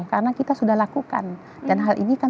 karena kita sudah lakukan dan hal ini kan